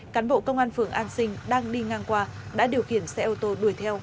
cán bộ công an phường an sinh đang đi ngang qua đã điều khiển xe ô tô đuổi theo